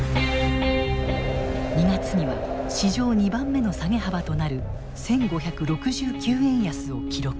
２月には史上２番目の下げ幅となる１，５６９円安を記録。